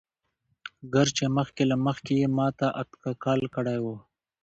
ګر چې مخکې له مخکې يې ما دا اتکل کړى وو.